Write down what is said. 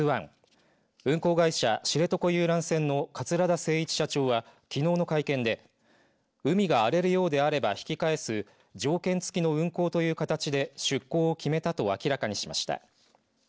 ＫＡＺＵＩ運航会社、知床遊覧船の桂田精一社長は、きのうの会見で海が荒れるようであれば引き返す条件付きの運航という形で出航を決めたと明らかにしました。